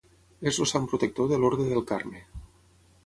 És el sant protector de l'Orde del Carme.